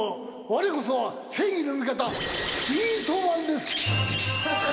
われこそは正義の味方ビートマンです。